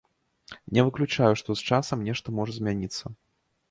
Не выключаю, што з часам нешта можа змяніцца.